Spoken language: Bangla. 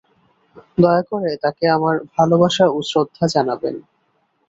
দয়া করে তাঁকে আমার ভালবাসা ও শ্রদ্ধা জানাবেন।